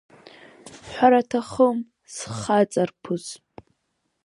Ҳәараҭахым, схаҵарԥыс!